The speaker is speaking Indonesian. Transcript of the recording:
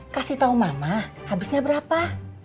kasih tahu mama habisnya berapa